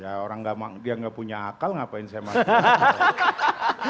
ya orang gak dia gak punya akal ngapain saya masuk akal